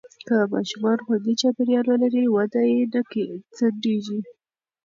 که ماشومان خوندي چاپېریال ولري، وده یې نه ځنډېږي.